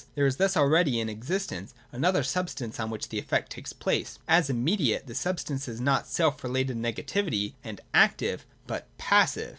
There is thus already in existence another substance on which the effect takes place. As imme diate, this substance is not a self related negativity and active, but passive.